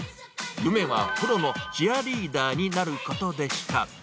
夢はプロのチアリーダーになることでした。